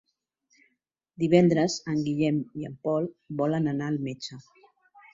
Divendres en Guillem i en Pol volen anar al metge.